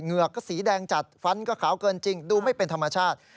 เหือกก็สีแดงจัดฟันก็ขาวเกินจริงดูไม่เป็นธรรมชาติ